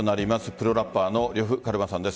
プロラッパーの呂布カルマさんです。